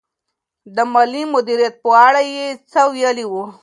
د مالي مدیریت په اړه یې څه ویلي وو؟